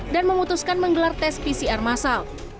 dan memutuskan menggelar tes pcr masal